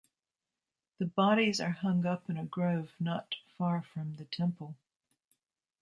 The bodies are hung up in a grove not far from the temple.